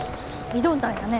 挑んだんやね。